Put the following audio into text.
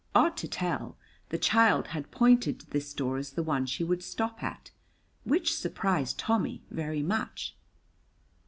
Odd to tell, the child had pointed to this door as the one she would stop at, which surprised Tommy very much.